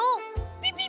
ピピッ！